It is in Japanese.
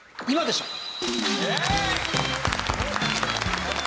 今でしょ』